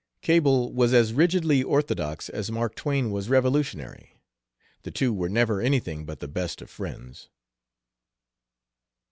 Cable was as rigidly orthodox as Mark Twain was revolutionary. The two were never anything but the best of friends.